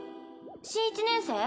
新１年生？